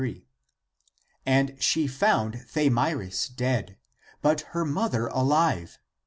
And she found Thamyris dead, but her mother alive.